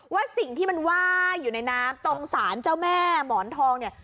ว่าสิ่งที่มันไหว้อยู่ในน้ำตรงสารเจ้าแม่หมอนทองเนี่ย